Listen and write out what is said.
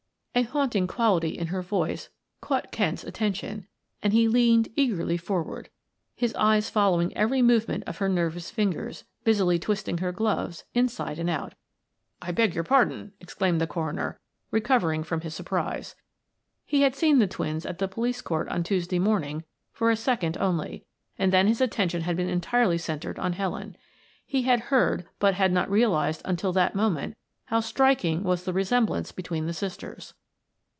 A haunting quality in her voice caught Kent's attention, and he leaned eagerly forward, his eyes following each movement of her nervous fingers, busily twisting her gloves inside and out. "I beg your pardon," exclaimed the coroner, recovering from his surprise. He had seen the twins at the police court on Tuesday morning for a second only, and then his attention had been entirely centered on Helen. He had heard, but had not realized until that moment, how striking was the resemblance between the sisters.